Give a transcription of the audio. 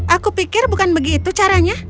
aku pikir bukan begitu caranya